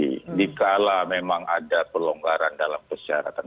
jadi kalau memang ada perlonggaran dalam persyaratan